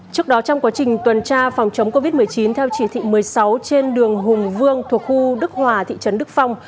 trước đó trong quá trình tuần tra phòng chống covid một mươi chín theo chỉ thị một mươi sáu trên đường hùng vương thuộc khu đức hòa thị trấn đức phong